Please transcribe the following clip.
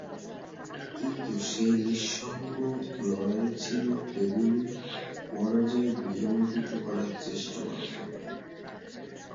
কিন্তু সেই নিঃসঙ্গ লড়াই ছিল কেবলই পরাজয় বিলম্বিত করার চেষ্টা মাত্র।